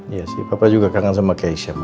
iya sih papa juga kangen sama keisha ma